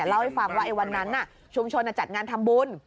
เล่าให้ฟังว่าวันนั้นชุมชนจัดงานทำบุญ